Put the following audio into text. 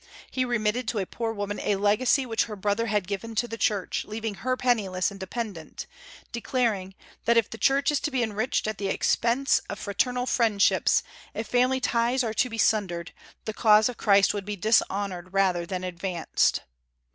He remitted to a poor woman a legacy which her brother had given to the Church, leaving her penniless and dependent; declaring that "if the Church is to be enriched at the expense of fraternal friendships, if family ties are to be sundered, the cause of Christ would be dishonored rather than advanced."